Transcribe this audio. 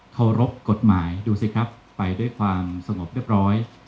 เคารพกฎหมายดูสิครับไปด้วยความสงบเรียบร้อย